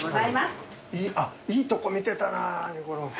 あっいいとこ見てたなにこるん。